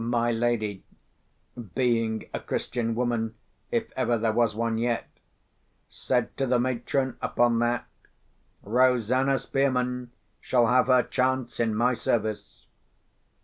My lady (being a Christian woman, if ever there was one yet) said to the matron, upon that, "Rosanna Spearman shall have her chance, in my service."